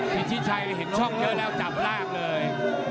พิชิชัยเห็นช่องเยอะแล้วจับล่างเลย